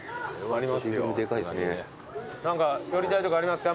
何か寄りたいとこありますか？